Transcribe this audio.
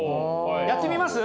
やってみます？